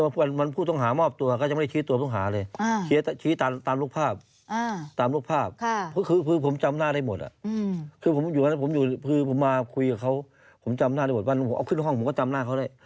คุยกับเขาผมจำหน้าได้หมดวันขึ้นห้องผมก็จำหน้าเขาได้